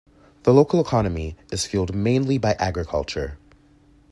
The local economy is fuelled mainly by agriculture.